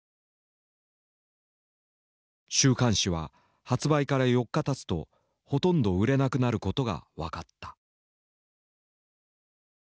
週刊誌は発売から４日たつとほとんど売れなくなることが分かった。